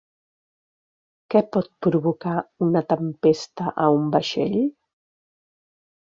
Què pot provocar una tempesta a un vaixell?